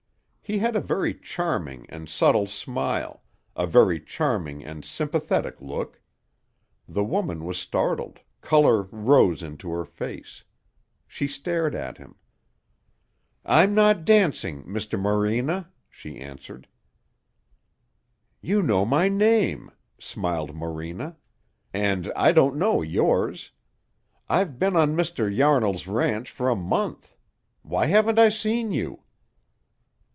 He had a very charming and subtle smile, a very charming and sympathetic look. The woman was startled, color rose into her face. She stared at him. "I'm not dancing, Mr. Morena," she answered. "You know my name," smiled Morena; "and I don't know yours. I've been on Mr. Yarnall's ranch for a month. Why haven't I seen you?"